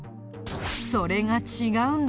それが違うんだ！